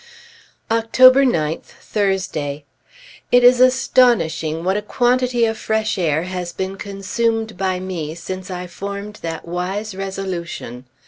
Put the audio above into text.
October 9th, Thursday. It is astonishing what a quantity of fresh air has been consumed by me since I formed that wise resolution.